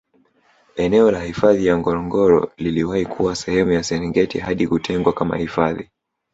Eneo la hifadhi ya Ngorongoro liliwahi kuwa sehemu ya Serengeti hadi kutengwa kama hifadhi